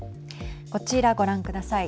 こちらご覧ください。